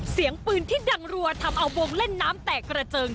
เสียงปืนที่ดังรัวทำเอาวงเล่นน้ำแตกกระเจิง